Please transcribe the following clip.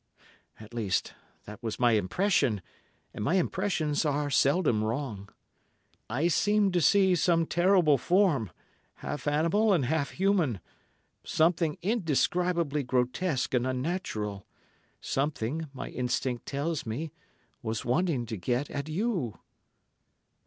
At least, that was my impression, and my impressions are seldom wrong. I seemed to see some terrible form—half animal and half human—something indescribably grotesque and unnatural—something, my instinct tells me, was wanting to get at you."